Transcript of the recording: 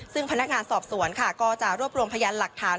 ซึ่งพนักงานสอบสวนค่ะก็จะรวบรวมพยานหลักฐาน